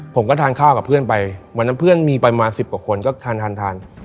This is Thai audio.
ผมก็ทานข้าวกับเพื่อนไปวันนั้นเพื่อนมีประมาณสิบกว่าคนก็ทาน